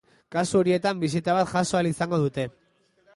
Kasu horietan bisita bat jaso ahal izango dute.